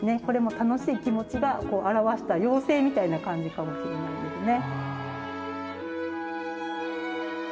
これも楽しい気持ちが表した妖精みたいな感じかもしれないですね。